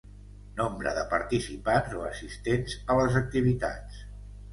Nombre de participants o assistents a les activitats.